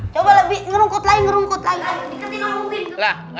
coba lebih ngerungkut lagi